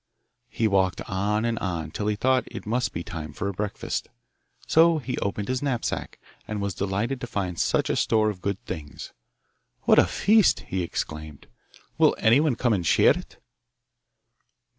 He walked on and on till he thought it must be time for breakfast; so he opened his knapsack, and was delighted to find such a store of good things. 'What a feast!' he exclaimed; 'will anyone come and share it?